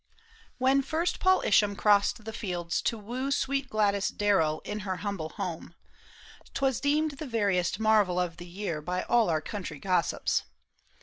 HEN first Paul Isham crossed the fields to woo Sweet Gladys Darrell in her humble home, 'Twas deemed the veriest marvel of the year By all our country gossips.